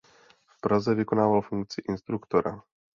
V Praze vykonával funkci instruktora.